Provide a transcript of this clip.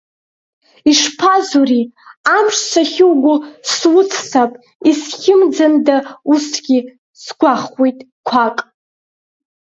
Ишԥазури, амш, сахьуго суццап, исхьымӡанда усгьы, сгәахуеит, қәак.